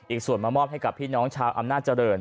ส่วนมามอบให้กับพี่น้องชาวอำนาจเจริญ